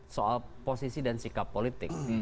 soal posisi dan sikap politik